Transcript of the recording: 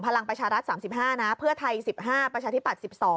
พลังประชารัฐ๓๕นะ